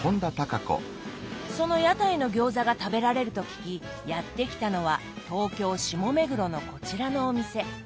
その屋台の餃子が食べられると聞きやって来たのは東京・下目黒のこちらのお店。